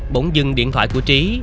bỗng dưng điện thoại của trí